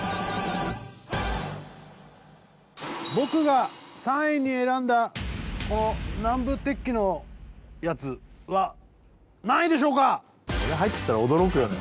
僕が３位に選んだこの南部鉄器のやつは何位でしょうかこれ入ってきたら驚くよね